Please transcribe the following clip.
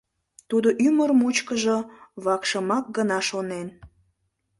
Тудо ӱмыр мучкыжо вакшымак гына шонен.